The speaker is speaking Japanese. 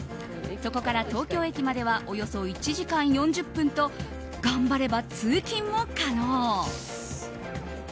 そこから東京駅まではおよそ１時間４０分と頑張れば通勤も可能。